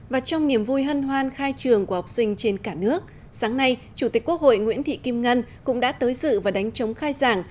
và trong niềm vui hân hoan khai trường của học sinh trên cả nước sáng nay chủ tịch quốc hội nguyễn thị kim ngân cũng đã tới dự và đánh chống khai giảng